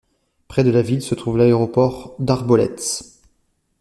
Près de la ville se trouve l'aéroport d'Arboletes.